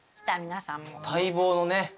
待望のね。